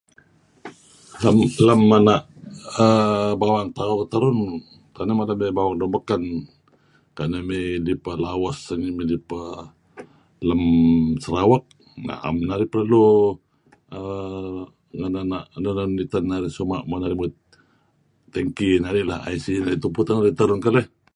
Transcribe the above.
Lem ena'[err] bawang tauh terun, 'am keli' bawang lun beken kayu' mey lipa Lawas ngih, na'em narih perlu ngen enun iten narih suma' mo' narih muit tengki narih, IC narih tupu teh narih keleh.